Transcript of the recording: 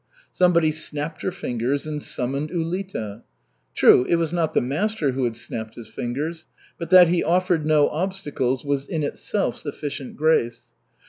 Somebody snapped her fingers and summoned Ulita. True, it was not the master who had snapped his fingers. But that he offered no obstacles was in itself sufficient grace.